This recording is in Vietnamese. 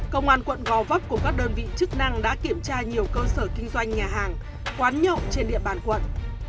công an quận gò vấp cùng các đơn vị chức năng đã kiểm tra nhiều cơ sở kinh doanh nhà hàng quán nhậu trên địa bàn quận